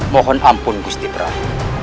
mohon ampun gusti prah